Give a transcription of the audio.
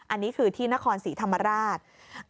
อันนี้คือที่นครศรีธรรมราช